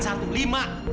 jangan satu lima